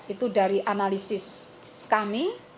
itu dari analisis kami